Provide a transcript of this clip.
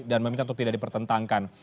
dan meminta untuk tidak dipertentangkan